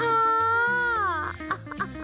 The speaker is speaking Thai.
อ่า